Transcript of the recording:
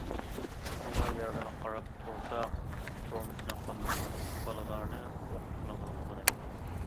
شۇڭا يەرگىلا قاراپ تۇرساق تۇرمۇشنى قامدىغىلى، بالىلارنى ئوقۇتقىلى بولمىغۇدەك.